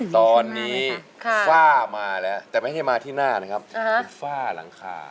ตอนนี้ฝ้ามาแล้วแต่ไม่ใช่มาที่หน้านะครับคือฝ้าหลังคา